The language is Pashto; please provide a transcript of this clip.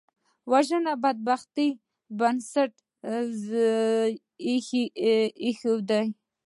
وژنه د بدبختۍ بنسټ ږدي